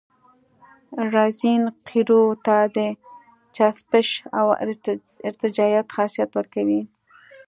رزین قیرو ته د چسپش او ارتجاعیت خاصیت ورکوي